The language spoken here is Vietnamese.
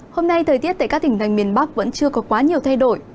hôm nay thời tiết tại các tỉnh thành miền bắc vẫn chưa có quá nhiều thay đổi